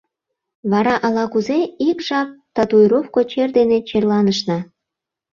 Вара ала-кузе ик жап татуировко чер дене черланышна.